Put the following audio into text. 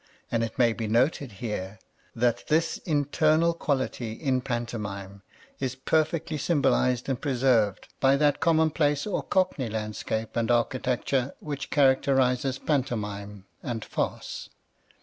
And it may be noted here that this internal quality in pantomime is perfectly symbolized and preserved by that commonplace or cockney landscape and architecture which characterizes pantomime and farce.